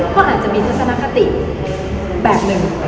ก็อาจจะมีทัศนคติแบบหนึ่ง